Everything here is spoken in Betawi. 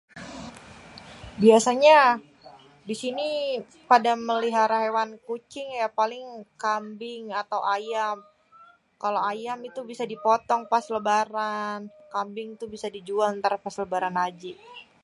Biasanya di sini pada mêlihara héwan kucing ya paling kambing ato ayam. Kalo ayam itu bisa dipotong pas lêbaran. Kambing tuh bisa dijual pas lêbaran haji.